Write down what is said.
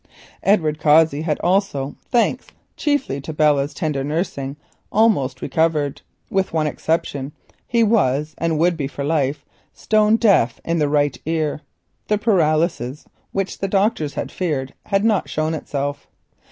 Edward Cossey also, thanks chiefly to Belle's tender nursing, had almost recovered, with one exception—he was, and would be for life, stone deaf in the right ear. The paralysis which the doctors feared had not shown itself.